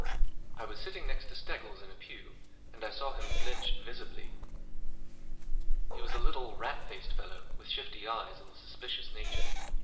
I was sitting next to Steggles in the pew, and I saw him blench visibly. He was a little, rat faced fellow, with shifty eyes and a suspicious nature.